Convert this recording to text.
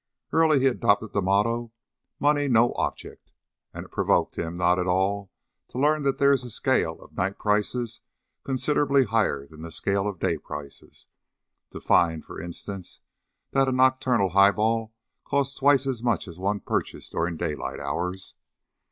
Early he adopted the motto, "Money no object," and it provoked him not at all to learn that there is a scale of night prices considerably higher than the scale of day prices; to find, for instance, that a nocturnal highball costs twice as much as one purchased during daylight hours.